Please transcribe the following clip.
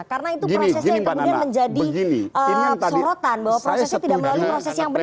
karena itu prosesnya kemudian menjadi sorotan bahwa prosesnya tidak melalui proses yang benar